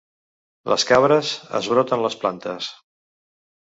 Les cabres esbroten les plantes.